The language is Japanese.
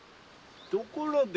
ところで。